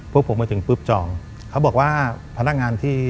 พวกผมมาถึงปุ๊บจอง